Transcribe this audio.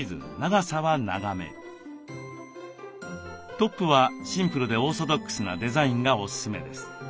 トップはシンプルでオーソドックスなデザインがおすすめです。